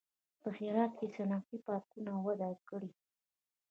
په هرات کې صنعتي پارکونه وده کړې